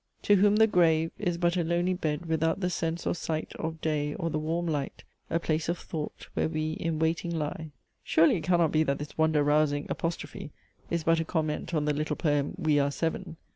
"To whom the grave Is but a lonely bed without the sense or sight Of day or the warm light, A place of thought where we in waiting lie;" Surely, it cannot be that this wonder rousing apostrophe is but a comment on the little poem, "We are Seven?"